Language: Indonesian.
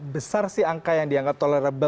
besar sih angka yang dianggap tolerable